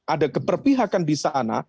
ada keperpihakan di sana